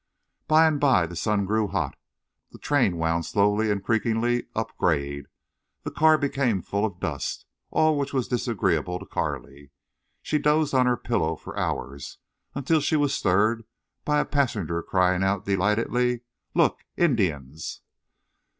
By and by the sun grew hot, the train wound slowly and creakingly upgrade, the car became full of dust, all of which was disagreeable to Carley. She dozed on her pillow for hours, until she was stirred by a passenger crying out, delightedly: "Look! Indians!"